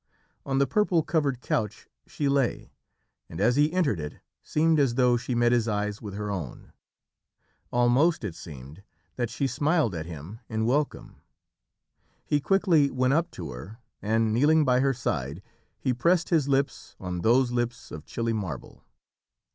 On the purple covered couch she lay, and as he entered it seemed as though she met his eyes with her own; almost it seemed that she smiled at him in welcome. He quickly went up to her and, kneeling by her side, he pressed his lips on those lips of chilly marble.